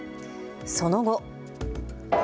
その後。